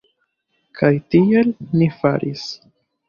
Kaj tiel ni faris.